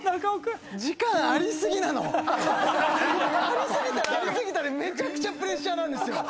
あり過ぎたらあり過ぎたでめちゃくちゃプレッシャーなんですよ。